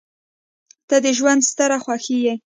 • ته د ژونده ستره خوښي یې.